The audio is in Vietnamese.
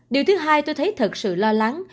điều thứ hai tôi thấy thật sự lo lắng